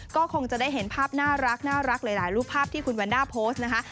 ก็คงจะได้เห็นภาพน่ารักหลายรูปภาพที่คุณวันด้าโพสต์นะคะ